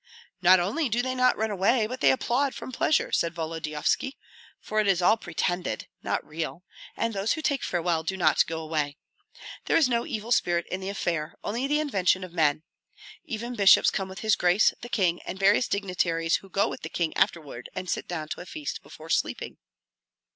"Not only do they not run away, but they applaud from pleasure," said Volodyovski; "for it is all pretended, not real, and those who take farewell do not go away. There is no evil spirit in the affair, only the invention of men. Even bishops come with his Grace the King, and various dignitaries who go with the king afterward and sit down to a feast before sleeping."